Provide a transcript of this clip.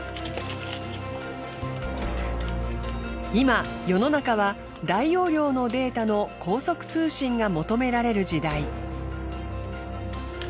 今世の中は大容量のデータの高速通信が求められる時代。